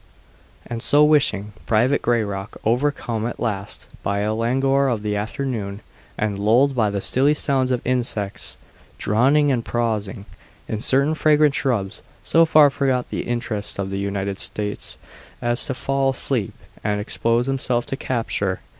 And so wishing, Private Grayrock, overcome at last by the languor of the afternoon and lulled by the stilly sounds of insects droning and prosing in certain fragrant shrubs, so far forgot the interests of the United States as to fall asleep and expose himself to capture.